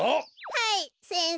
はい先生。